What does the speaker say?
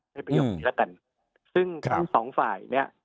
ประโยคนี้แล้วกันซึ่งทั้งสองฝ่ายเนี้ย